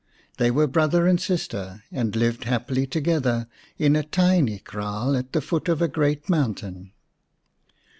They were brother and sister and lived happily to gether in a tiny kraal at the foot of a great mountain.